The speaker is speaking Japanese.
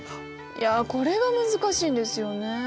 いやこれが難しいんですよね。